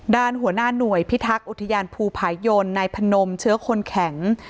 ด้านหัวหน้าหน่วยพิทักษ์อุทยานภูผายนนายพนมเชื้อคนแข็ง